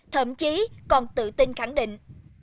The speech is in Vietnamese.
thậm chí còn tự tin khẳng định